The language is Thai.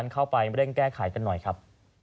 เข้าไปเร่งแก้ไขกันหน่อยครับ